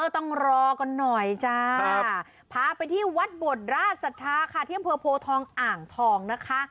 ต้องรอก่อนหน่อยจ้าพาไปที่วัดบทราชสถาค่ะที่เยี่ยมโผล่ทองอ่างทองนะคะ